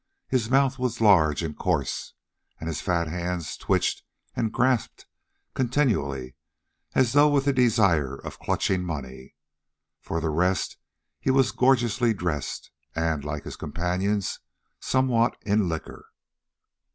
His mouth was large and coarse, and his fat hands twitched and grasped continually, as though with a desire of clutching money. For the rest he was gorgeously dressed, and, like his companions, somewhat in liquor.